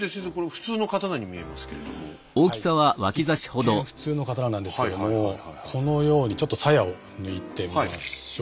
一見普通の刀なんですけどもこのようにちょっとさやを抜いてみましょう。